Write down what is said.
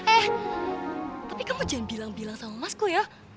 eh tapi kamu jangan bilang bilang sama masku ya